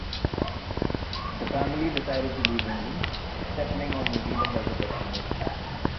The family decided to leave England, settling on New Zealand as a destination.